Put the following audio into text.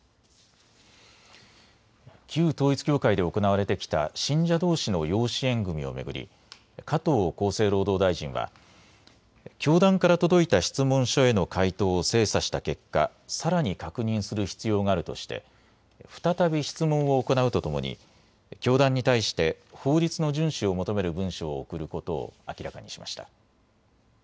旧統一教会で行われてきた信者どうしの養子縁組みを巡り加藤厚生労働大臣は教団から届いた質問書への回答を精査した結果、さらに確認する必要があるとして再び質問を行うとともに教団に対して法律の順守を求める文書を送ることを明らかにしました。